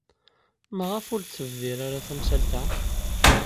Maɣef ur d-tebdir ara tamsalt-a?